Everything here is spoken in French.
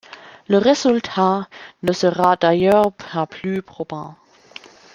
Le résultat ne sera d'ailleurs pas plus probant.